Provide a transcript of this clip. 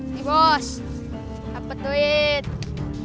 terus pepet itu